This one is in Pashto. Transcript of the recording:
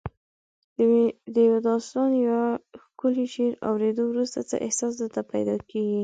د یو داستان یا ښکلي شعر اوریدو وروسته څه احساس درته پیدا کیږي؟